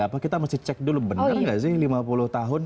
apa kita mesti cek dulu bener gak sih lima puluh tahun